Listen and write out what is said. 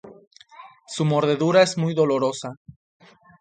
Su mordedura es muy dolorosa.